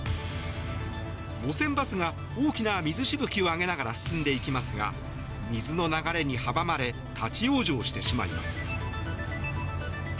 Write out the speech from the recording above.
路線バスが大きな水しぶきを上げながら進んでいきますが水の流れに阻まれ立ち往生してしまいます。